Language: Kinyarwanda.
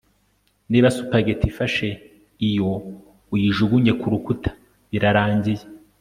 niba spaghetti ifashe iyo uyijugunye kurukuta, birarangiye